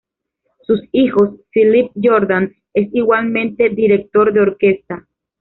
Sus hijo, Philippe Jordan, es igualmente director de orquesta.